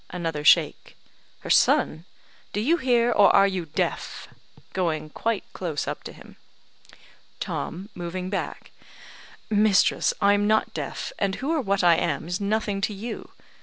(Another shake.) "Her son? Do you hear? or are you deaf?" (Going quite close up to him.) Tom (moving back): "Mistress, I'm not deaf; and who or what I am is nothing to you.